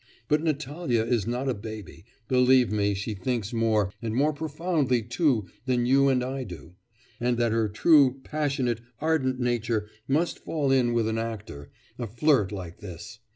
But Natalya is not a baby; believe me, she thinks more, and more profoundly too, than you and I do. And that her true, passionate, ardent nature must fall in with an actor, a flirt like this!